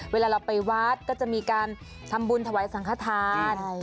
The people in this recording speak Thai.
เวลาเราไปวัดก็จะมีการทำบุญถวายสังขทาน